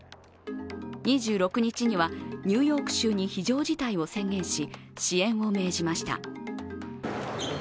２６日にはニューヨーク州に非常事態を宣言し支援を命じました。